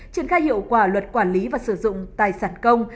triển khai hiệu quả luật quản lý và sử dụng tài sản công